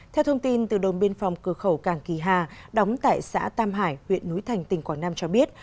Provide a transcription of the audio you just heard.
theo thông tin từ đồn biên phòng cửa khẩu cảng kỳ hà đóng tại xã tam hải huyện núi thành tỉnh quảng nam cho biết